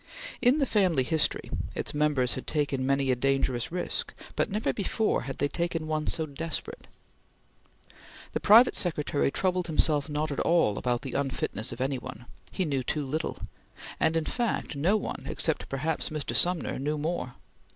In the family history, its members had taken many a dangerous risk, but never before had they taken one so desperate. The private secretary troubled himself not at all about the unfitness of any one; he knew too little; and, in fact, no one, except perhaps Mr. Sumner, knew more.